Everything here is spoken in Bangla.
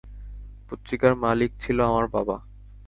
পত্রিকার মালিক ছিল আমার বাবা।